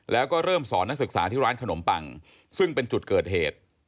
แล้วก็เริ่มสอนนักศึกษาที่ร้านขนมปังซึ่งเป็นจุดเกิดเหตุ